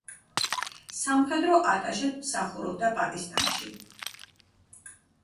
სამხედრო ატაშედ მსახურობდა პაკისტანში.